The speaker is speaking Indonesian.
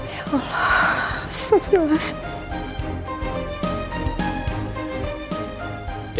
ya allah astaghfirullahaladzim